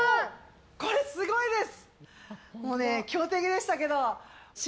これすごいです。